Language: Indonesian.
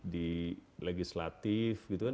di legislatif gitu kan